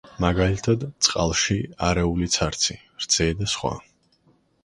მაგალითად, წყალში არეული ცარცი, რძე და სხვა.